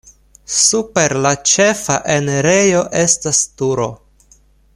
Super la ĉefa enirejo estas turo.